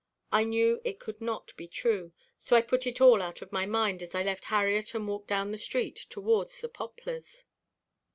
I knew it could not be true, so I put it all out of my mind as I left Harriet and walked down the street towards the Poplars.